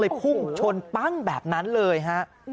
แล้วพุ่งชนแบบนั้นเลยค่ะ